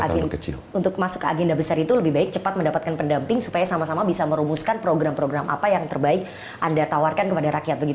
untuk masuk ke agenda besar itu lebih baik cepat mendapatkan pendamping supaya sama sama bisa merumuskan program program apa yang terbaik anda tawarkan kepada rakyat begitu